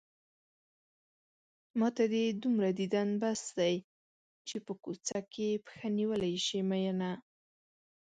ماته دې دومره ديدن بس دی چې په کوڅه کې پښه نيولی شې مينه